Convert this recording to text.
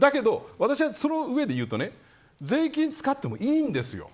だけど、私はその上で言うと税金、使ってもいいんですよ。